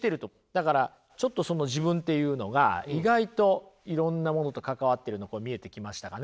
だからちょっとその自分っていうのが意外といろんなものと関わっているの見えてきましたかね。